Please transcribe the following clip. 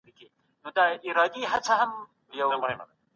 د کشمکش په وخت کي سياست څه رول لري؟